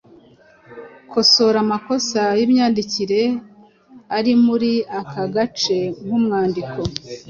Kosora amakosa y’imyandikire ari muri aka gace k’umwandiko: